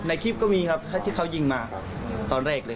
คลิปก็มีครับที่เขายิงมาตอนแรกเลย